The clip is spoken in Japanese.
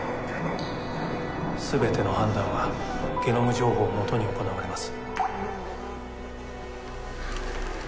全ての判断はゲノム情報をもとに行われます。